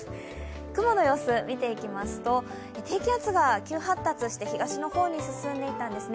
雲の様子、見ていきますと、低気圧が急発達して東の方に進んでいたんですね。